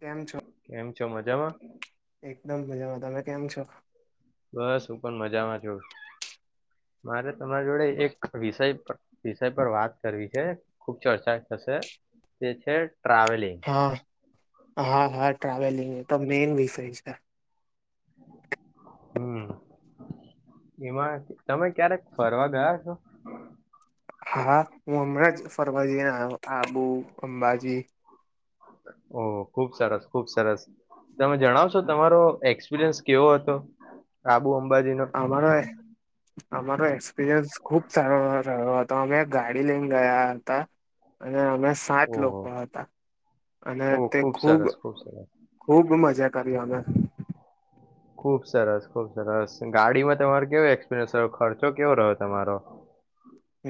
કેમ છો કેમ છે? મજામાં. એકદમ મજામાં, તમે કેમ છો? બસ હું પણ મજામાં છુ, મારે તમારી જોડે એક વિષય વિષય પર વાત કરવી છે, ખુબ ચર્ચા હશે તે છે ટ્રાવેલિંગ હા હા હા ટ્રાવેલિંગ ત મેન વિષય છે, હમ્મ એમાં તમે ક્યારેક ફરવા ગયા છો? હા, હું હમણાં જ ફરવાજીને આવ્યો, આબુ અંબાજી ઓ ખુબ સરસ ખુબ સરસ તમે જણાવશો તમારો એક્સપિરિયન્સ કેવો હતો? બુ અંબાજી નો? અમારો અમારો એક્સપિરિયન્સ ખુબ સારો રહ્યો હતો, અમે ગાડી લઈને ગયા હતા, અને અમે સાત ઓહો લોકો હતા, અને ઓહ તે ખુબ ખૂબ સરસ ખુબ સરસ ખુબ મજા કાર્યોને ખુબ સરસ ખુબ સરસ ગાડીમાં તમારો કેવો એક્સપિરિયન્સ રહ્યો ખર્ચો કેવો રહ્યો તમારો?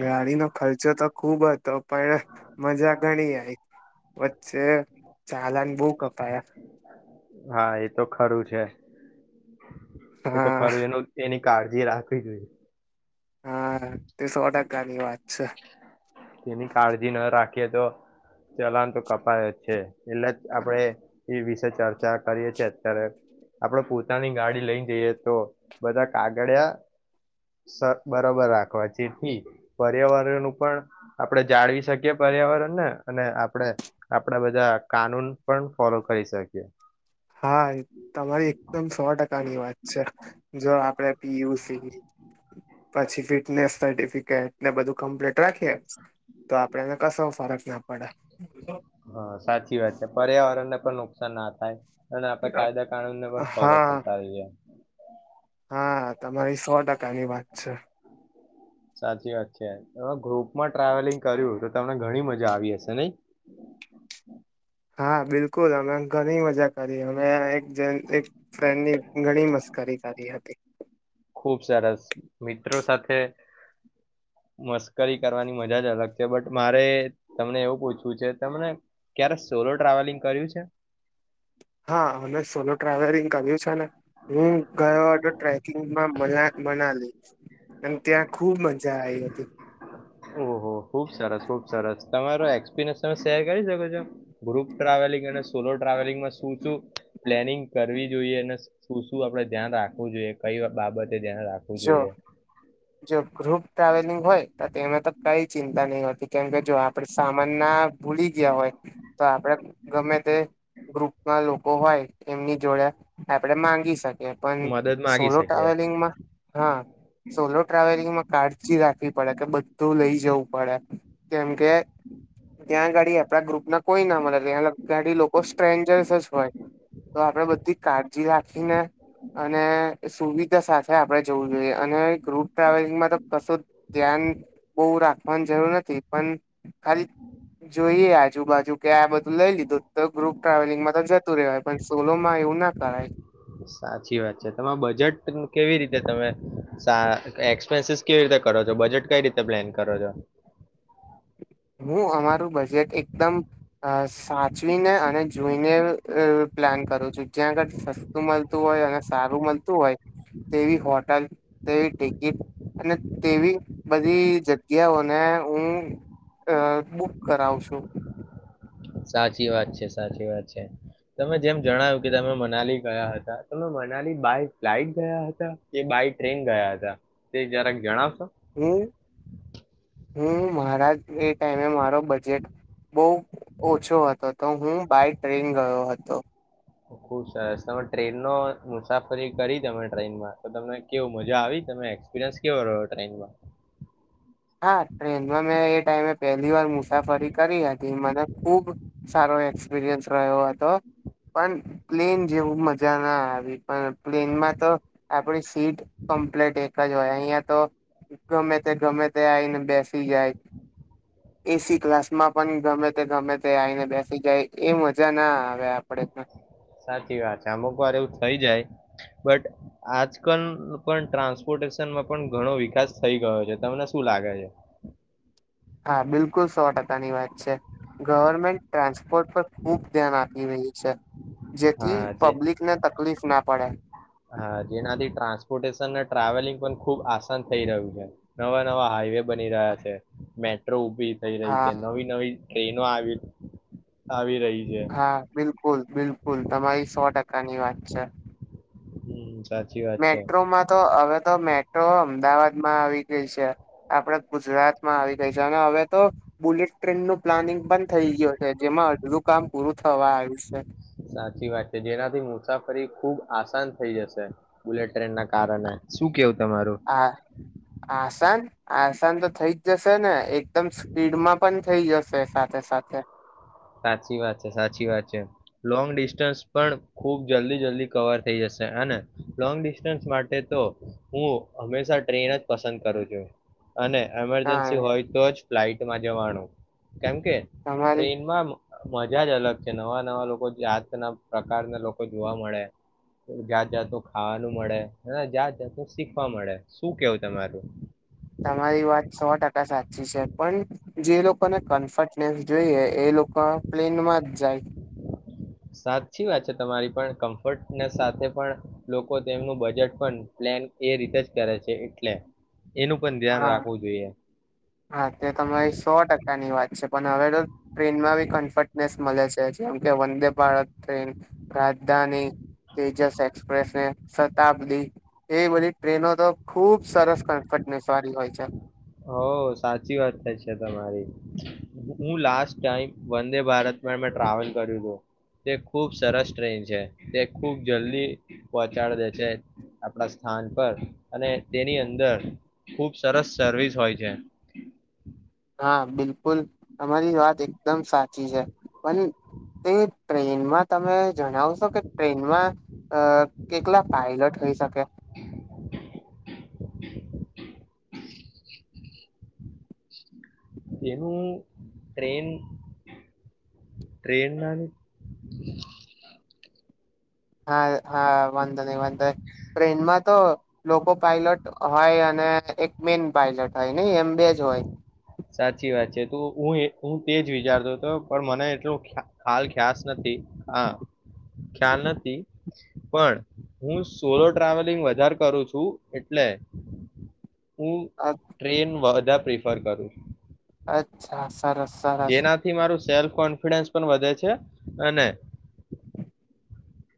ગાડીનો ખર્ચો તો ખુબ હતો, પણ મજા ગણી આવીઈ વચ્ચે ચાલાને બહ કપાયા હા એ તો ખરું છે, એ તો હા ખરું એનું એની કાળજી રાખવી જોઈએ, હા, તે સો ટકાની વાત છે, તેની કાળજી ના રાખીએ તો ચલાન તો કપાય જ છે, એટલે જ આપડે એ વિષ ચર્ચા કરીએ છીએ, અત્યારે આપડે પોતાની ગાડી લઈ જઈએ તો બધા કાગળયા બરોબર રાખવા છે પર્યાવરણ નું પણ આપણેે જાળવી શકીએ, પર્યાવરણને અને આપડે આપડા બધા કાનૂન પણ ફોલો કરી શકીએ. હા, તમારી એકદમ સો ટકાની વાત છે જો આપડે પીયુસી પછી ફિટનેસ સર્ટિફિકેટ ને બધું કમ્પ્લીટ રાખીએ, તો આપડે એને કશો ફરક ના પડે હા, સાચી વાત છે પર્યાવરણ ને પણ નુકસાનતાાય અને આપડે કાયદા કાનૂન ને પણ ફોલો હા કરતા રહીએ, હા તમારી સો ટકાની વાત છે. સાચી વાત છે, ગ્રુપમાં ટ્રાવેલિંગ કર્યું તો તમને ઘણી મજા આવી હશે નહી. હા, બિલકુલ અમે ઘણી મજા કરી અમે ફ્રેન્ડની ઘણી મસ્કરી કરી હતી. ખુબ સરસ મિત્રો સાથે મશકરી કરવાની મજા જ અલગ છે, બટ મારે તમને એવું પૂછવું છે તને ક્યારે સોલો ટ્રાવેલિંગ કર્યું છે? હા મ સોલો ટ્રાવેલિંગ કર્યું છે ને હું ગયો હતો ટ્રેકિંગમાં મ મનાલી અને ત્યાં ખુબ મજા આવી હતી ઓહ ખુબ સરસ ખુબ સરસ તમારો એક્સપિરિયન્સ તમે શેર કરી શકો છો ગ્રુપ ઓહો ઓહો બહુ સરસ બહુ સરસ ટ્રાવેલિંગ અને સોલો ટ્રાવેલિંગમાં શું શું પ્લેનિંગ કરવી જોઈએ અને શું શું આપડે ધ્યાન રાખવું જોઈએ કઈ બાબત જો જો ગ્રુપ ટ્રાવેલિંગ હોય તો તેમે તો કઈ ચિંતા નહી હોતી કેમકે જો આપડ સામાન ના ભૂલી ગયા હોય તો આપડે ગમે તે ગ્રુપમાં લોકો હોય એમની જોડે આપણેે માંગી શકીએ એ પણ મદદ માંગી સોલો શકે ટ્રાવેલિંગ માં હા સોલો ટ્રાવેલિંગમાં કાર્ડ. તુ લઈ જવું પડે કેમકે ગાડી આપડા ગ્રુપ ના કોઈ ના મળે ત્યાં ગાડી લોકો સ્ટ્રેન્જર્સ જ હોય તો આપણેે બધી કાળજી રાખીને અને સુવિધા સાથે આપણે. જોવું જોઈએ અને ગ્રુપ ટ્રાવેલિંગમાં તો કશું ધ્યાન બહુ રાખવાની જરૂર નથી પણ ખાલી જોઈએ આજુબાજુ કે આ બધું લઈ લીધું તો ગ્રુપ ટ્રાવેલિંગમાં તો જતું રહેવાય પણ સોલોમાં એવું ના કરાય. સાચી વાત છે તમે બજેટ કેવી રીતે તમે એક્સપેન્સસ કેવી રીતે કરો છો બજેટ કઈ રીતે પ્લાન કરો છો. હું અમારું બજેટ એકદમ સાચવીને અને જોઈને પ્લાન કરું છું જ્યાં આગળ સસ્તું મળતું હોય અને સારું મળતું હોય તેવી હોટલ તેવી ટિકિટ અને તેવી બધી જગ્યાઓને હું. અ બુક કરાવશું. સાચી વાત છે સાચી વાત છે તમે જેમ જણાવ્યું કે સાચી વાત છે સાચી વાત છે તમે મનાલી ગયા હતા તમે મનાલી બાય ફ્લાઈટ ગયા હતા કે બાય ટ્રેન ગયા હતા તે જરાક જણાવ. હમ. હું મારા એ ટાઈમે મારો બજેટ બહુ ઓછો હતો તો હું બાય ટ્રેન ગયો હતો. ખુબ સરસ તમે ટ્રેનનો મુસાફરી કરી તમે ટ્રેનમાં તો તમને કેવું મજા આવી તમે એક્સપિરિયન્સ કેવો રહો ટ્રેનમાં. હા ટ્રેનમાં મેં એ ટાઈમે પહેલી વાર મુસાફરી કરી હતી મને ખુબ સારો એક્સપિરિયન્સ રહ્યો હતો પણ પ્લેન જેવું મજા ના આવી પણ પ્લેનમાં તો આપડી સીટ કમ્પ્લીટ એક જ હોય અહીિયાંયા તો ગમે તે ગમે. આવીઈને બેસી જાય એસી ક્લાસ માં પણ ગમે તે ગમે તે આવીઈને બેસી જાય એ મજા ના આવે આપણેે. સાચી વાત છે અમુક વાર એવું થઈ જાય બટ આજકાલ પણ ટ્રાન્સપોર્ટેશનમાં પણ ઘણો વિકાસ થઈ ગયો છે તમને શું લાગે છે. હા બિલકુલ સો ટકાની વાત છે ગવર્મેન્ટ ટ્રાન્સપોર્ટ પર ખુબ ધ્યાન આપી રહી છે. જેથી હા જે પબ્લિકને તકલીફ ના પડે. હા જેનાથી ટ્રાન્સપોર્ટેશન અને ટ્રાવેલિંગ પણ ખુબ આસાન થઈ રહ્યું છે નવા નવા હાઈવે. બની રહ્યા છે મેચ. રો. વી થઈ રહી હા છે નવી નવી. એનો આવી આવી. રહી છે હા બિલકુલ. બિલકુલ તમારી સો ટકાની વાત છે. હમ સાચી વાત છે મેટ્રોમાં તો હવે. અમદાવાદમાં આવી ગઈ છે આપણે ગુજરાત માં આવી ગઈ છે અને હવે તો બુલેટ ટ્રેન નું પ્લાનિંગ પણ થઇ ગયું છે જેમાં અધરું કામ પૂરું થવા આવ્યું છે. સાચી વાત છે જેનાથી મુસાફરી ખુબ આસાન થઇ જશે બુલેટ ટ્રેન ના કારણે શું કેવ. તમારો. આ આસાન આસાન તો થઈ જ જશે ને એક. એકદમ સ્પીડમાં પણ. થઇ જશે સાથે સાથે. સાચી વાત છે સાચી વાત છે લોંગ ડિસ્ટન્સ પણ ખૂબ જલ્દી જલ્દી કવર થઈ જશે અને લોંગ ડિસ્ટન્સ માટે તો હું હંમેશા ટ્રેન જ પસંદ કરું છું. અને ના એમરજન્સી હોય તો જ. ફ્લાઇટ માજ માણું. કેમ કે તમારી ટ્રેનમાં. મજા જ અલગ છે. નવા નવા લોકો જાતના પ્રકારના લોકો જોવા મળે જાત જાતનું ખાવાનું મળે. અને જાત જાતનું શીખવા મળે શું કેવું તમારું.. તમારી વાત સો ટકા સાચી છે. પણ જે લોકોને કમ્ફર્ટનેસ જોઈએ એ લોકો પ્લેનમાં જ જાય.. સાચી વાત છે. તમારી પણ કમ્ફર્ટનેસ સાથે પણ લોકો તેમનું બજેટ પણ પ્લેન એ રીતે જ કરે છે એટલે.. એનું પણ ધ્યાન હા રાખવું જોઈએ.. હા તે તમારી સો ટકાની વાત છે. પણ હવે તો ટ્રેનમાં બી કમ્ફટનેસ મલે છે. જેમ કે વંદે ભારત ટ્રેન રાજધાની તેજસ એક્સપ્રેસને શતાબ્દી એ બધી ટ્રેનો તો ખુબ સરસ કમ્ફર્ટનેસ વાળી હોય છે.. હો સાચી વાત થાય છે. તમારી હું લાસ્ટ ટાઈમ વંદે ભારતમાં મેં ટ્રાવેલ કર્યું હતું તે ખુબ સરસ ટ્રેન છે. તે ખુબ જલ્દી પહોંચાડ દે છે. આપણા સ્થાન પર અને તેની અંદર ખુબ સરસ. સર્વિસ હોય છે.. હા બિલકુલ અમારી વાત એક. દમ સાચી છે પણ તે. ટ્રેનમાં તમે જણાવશો કે ટ્રેનમાં અ કેટલા પાયલટ હોઈ શકે. [inaudible] એનું ટ્રેન ટ્રેન ના. હા હા. વાંધો નય વાંધ ટ્રેનમાં તો. લોકો પાાયલટ હોય અને એક મેન પાયલટ હોય ની એમ બે જ હોય-. - સાચી વાત છે. તો હું એ હું તેજ વિચારતો હતો પણ મને એટલો ખ્યાલ ખ્યાસ નથી. હ ખ્યાલ નથી પણ હું સોલો ટ્રાવેલિંગ વધારે કરું છું એટલે. ઉ અ ટ્રેન વ. ધા પ્રિફર કરું. છું અચ્છા. સરસ સરસ-. - જેનાથી મારું સેલ્ફ કોન્ફિડન્સ પણ વધે છે. અને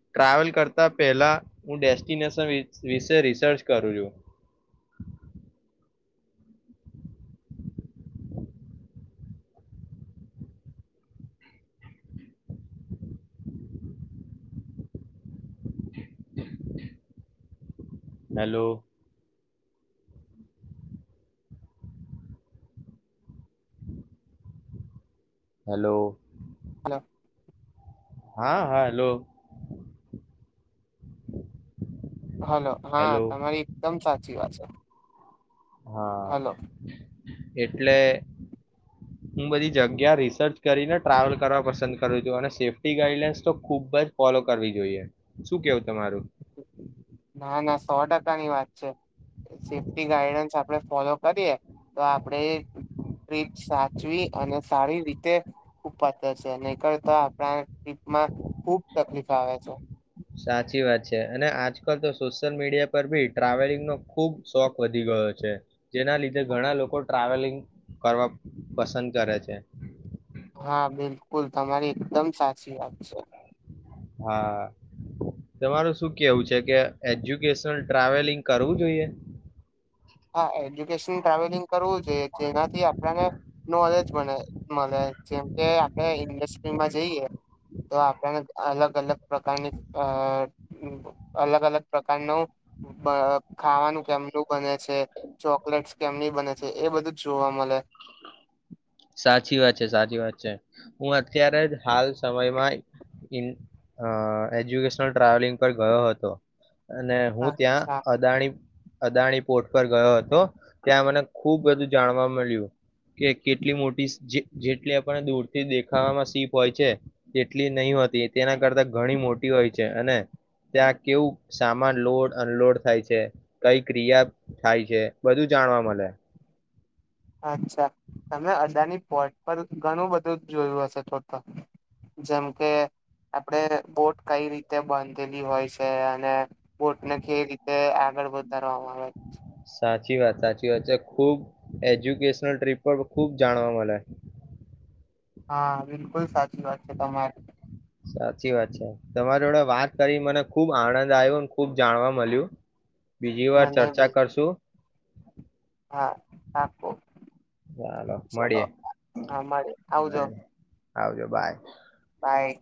ટ્રાવેલ કરતા પહેલા હું ડેસ્ટિનેશન વિશ વિશે રિસર્ચ કરું છું.. હાલો. હાલો. હાલો. હા હાલો. હલો હા તમારી એકદમ સા. ચી વાત છે.. હા. હલો એટલે. હું બધી જગ્યા રિસર્ચ કરીને ટ્રાવેલ કરવા પસંદ કરું છું. અને સેફ્ટી ગાઈડલાઇન્સ તો ખુબ જ ફોલો કરવી જોઈએ શું કેવું તમારું. ના ના સો ટકા ની વાત. છે સેફ્ટી ગાઈડન્સ આપણે ફોલો કરીએ તો આપણે ટ્રીપ સાચવી અને સારી રીતે ખૂબ પાતર છે. અન કરતા આપણા ટ્રીપમાં ખુબ તકલીફ આવે છે.. સાચી વાત છે. અને આજકાલ તો સોશિયલ મીડિયા પર બી ટ્રાવેલિંગનો ખુબ શોખ વધી ગયો છે. જેના લીધે ઘણા લોકો ટ્રાવેલિંગ કરવા પસંદ કરે છે.. હા બિલકુલ તમારી એકદમ સાચી વાત છે. હા તમારું શું કેવું છે કે. એજ્યુકેશનલ ટ્રાવેલિંગ કરવું જોઈએ. હા એજ્યુકેશન ટ્રાવેલિંગ કરવું જોઈએ જેનાથી આપણને નોલેજ મળે મલે જેમ કે આપણે ઇન્ડસ્ટ્રીમાં જઈએ તો આપણને અલગ. અલગ પ્રકારની અ અલગ અલગ પ્રકારનું બ ખાવાનું કેમનું બને. છે ચોકલેટસ કેમની બને છે. એ બધું જ જોવા મલે. સાચી વાત છે સાચી વાત છે. હું અત્યારે જ હાલ સમયમાં ઈન અ એજ્યુકેશનલ ટ્રાવેલિંગ પર ગયો હતો. અને હું ત્યાં અચ્છા અદાણી. અદાણી પોર્ટ પર ગયો હતો. ત્યાં મને ખુબ બધું જાણવા મળ્યું કે કે. એટલી મોટી જે જેટલી આપણ દૂરથી દેખાવામાં સીપ હોય છે, તેટલી નહી હોતી તેના કરતા ઘણી મોટી હોય છે અને ત્યાં કેવું સામાન લોડ અનલોડ થાય છે કઈ ક્રિયા થાય છે, બધું જાણવા મલે અચ્છા તમે અડાની પોટ પર ઘણું બધું જોયું હશે, તો તો જેમ કે આપડે બોટ કઈ રીતે બાંધેલી હોય છે અને બોટને કઈ રીતે આગળ વધારવામાં આવે, સાચી વાત સાચી વાત છે, ખુબ એજ્યુકેશનલ ટ્રીપ પર ખુબ જાણવા મલે હા બિલકુલ સાચી વાત છે તમારી સાચી વાત છે તમારી જોડે વાત કરી મને ખુબ આનંદ આયુ ખુબ જાણવા મલ્યું. બીજી વાર મને ચર્ચા બી કરશું. હા પાકું ચાલો ચલો મળીએે હા મળીએ આવજો મળ. આવજો બાય. બાય.